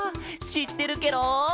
しってるケロ！